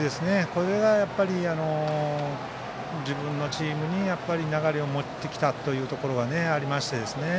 これが、やっぱり自分のチームに流れを持ってきたというところはありましてですね。